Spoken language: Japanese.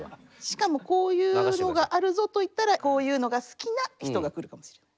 しかもこういうのがあるぞといったらこういうのが好きな人が来るかもしれない。